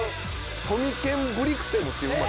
トミケンブリクセムっていう馬。